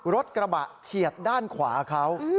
รถกระบะเฉียดด้านขวาเขา